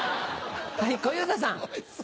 はい小遊三さん。